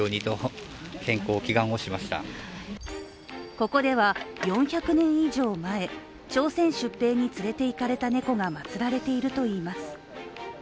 ここでは、４００年以上前朝鮮出兵に連れて行かれた猫がまつられているといいます。